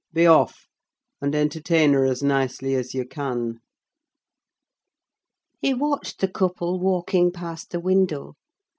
Be off, and entertain her as nicely as you can." He watched the couple walking past the window.